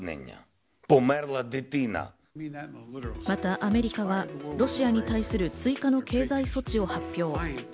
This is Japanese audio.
またアメリカはロシアに対する追加の経済措置を発表。